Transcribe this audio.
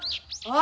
あ！